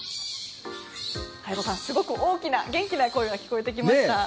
太蔵さん、すごく大きな元気な声が聞こえてきました。